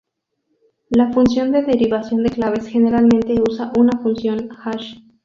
La función de derivación de claves generalmente usa una función hash.